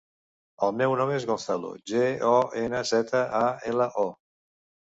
El meu nom és Gonzalo: ge, o, ena, zeta, a, ela, o.